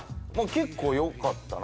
結構良かったな。